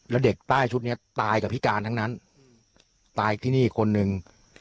แล้วเด็กใต้ชุดนี้ตายกับพิการทั้งนั้นตายที่นี่คนหนึ่ง